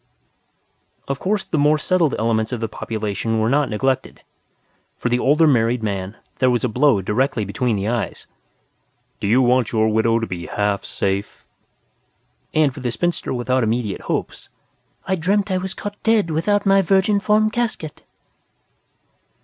Of course the more settled elements of the population were not neglected. For the older married man, there was a blow directly between the eyes: "Do You Want Your Widow to Be Half Safe?" And, for the spinster without immediate hopes, "_I Dreamt I Was Caught Dead Without My Virginform Casket!